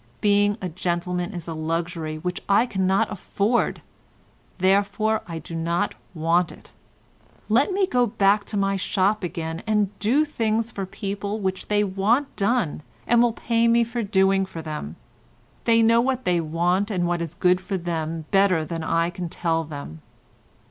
Being a gentleman is a luxury which I cannot afford, therefore I do not want it. Let me go back to my shop again, and do things for people which they want done and will pay me for doing for them. They know what they want and what is good for them better than I can tell them."